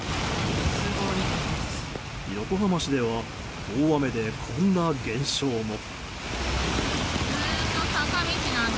横浜市では大雨でこんな現象も。